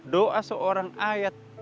doa seorang ayat